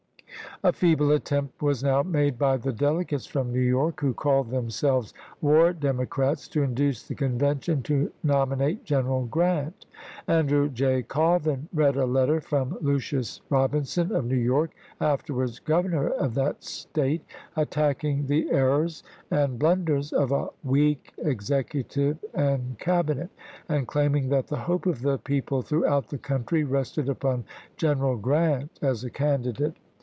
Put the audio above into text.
A feeble attempt was now made by the delegates from New York, who called themselves "War Demo crats," to induce the Convention to nominate Gen eral Grant. Andrew J. Colvin read a letter from Lucius Robinson of New York — afterwards gov ernor of that State — attacking the errors and blunders of "a weak Executive and Cabinet," and claiming that the hope of the people through out the country rested upon General Grant as a candidate.